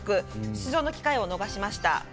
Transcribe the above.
出場の機会を逃しました。